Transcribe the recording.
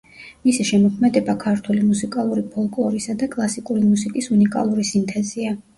მისი შემოქმედება ქართული მუსიკალური ფოლკლორისა და კლასიკური მუსიკის უნიკალური სინთეზია.